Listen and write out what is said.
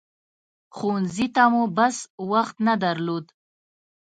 ښوونځي ته مو بس وخت نه درلود.